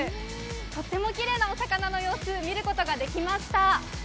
とってもきれいなお魚の様子、見ることができました。